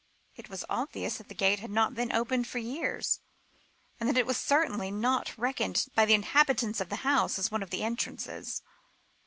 It was obvious that the gate had not been opened for years, and that it was certainly not reckoned by the inhabitants of the house as one of the entrances.